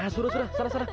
sudah sudah sana sana